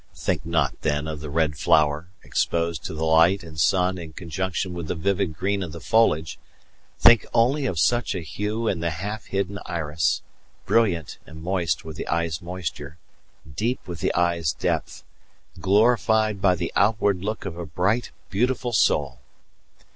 Think not, then, of the red flower, exposed to the light and sun in conjunction with the vivid green of the foliage; think only of such a hue in the half hidden iris, brilliant and moist with the eye's moisture, deep with the eye's depth, glorified by the outward look of a bright, beautiful soul.